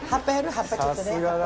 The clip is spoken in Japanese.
葉っぱちょっとね。